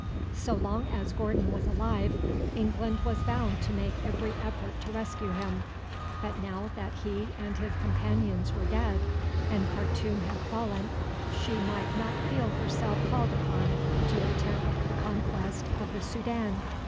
So long as Gordon was alive England was bound to make every effort to rescue him; but now that he and his companions were dead, and Khartoum had fallen, she might not feel herself called upon to attempt the reconquest of the Soudan.